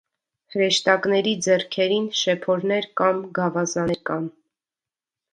Հրեշտակների ձեռքերին շեփորներ կամ գավազաններ կան։